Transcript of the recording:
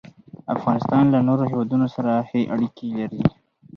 افغانستان له نورو هېوادونو سره ښې اړیکې لري.